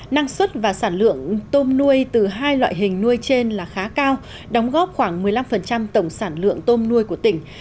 năng suất và sản lượng tôm nuôi từ hai loại hình nuôi trên là khá cao đóng góp khoảng một mươi năm tổng sản lượng tôm nuôi của tỉnh